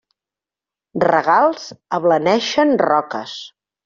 Regals ablaneixen roques.